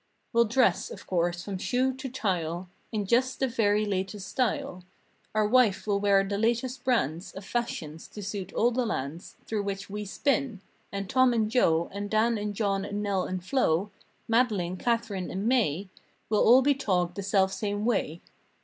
We'll dress, of course, from shoe to "tile" In just the very latest style. Our wife will wear the latest brands Of fashions to suit all the lands Through which we spin. And Tom and Joe And Dan and John and Nell and Flo— Madelyn, Kathryn and Mae Will all be togged the self same way.